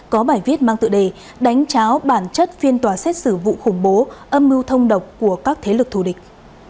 có bài viết mang tựa đề đánh cháo bản chất phiên tòa xét xử vụ khủng bố âm mưu thông độc của các thế lực thù địch